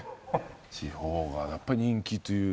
地方がやっぱ人気という。